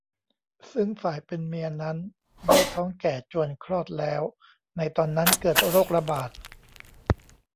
ซึ่งฝ่ายเป็นเมียนั้นได้ท้องแก่จวนคลอดแล้วในตอนนั้นเกิดโรคระบาด